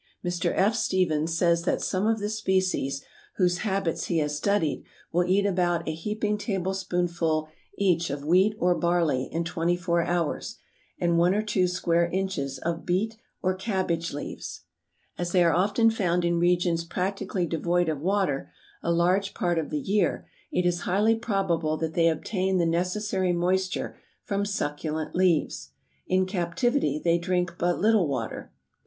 Mr. F. Stephens says that some of the species, whose habits he has studied, will eat about a heaping tablespoonful each of wheat or barley in twenty four hours and one or two square inches of beet or cabbage leaves." As they are often found in regions practically devoid of water, a large part of the year, it is highly probable that they obtain the necessary moisture from succulent leaves. In captivity they drink but little water.